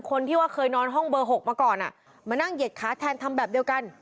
คนที่ว่าเคยนอนห้องเบอร์๖มาก่อนมานั่งเหยียดขาแทนทำแบบเดียวกัน